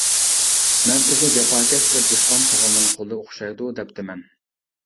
مەن تېخى جاپاكەش بىر دېھقان تاغىنىڭ قولى ئوخشايدۇ دەپتىمەن.